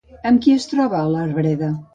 Amb qui es troba a l'arbreda?